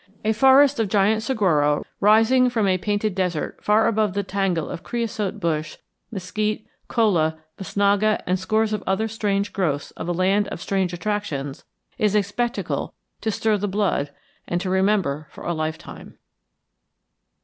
A forest of giant saguaro rising from a painted desert far above the tangle of creosote bush, mesquite, cholla, bisnaga, and scores of other strange growths of a land of strange attractions is a spectacle to stir the blood and to remember for a lifetime.